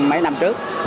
mấy năm trước